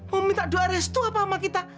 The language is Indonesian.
mau minta dua restu apa sama kita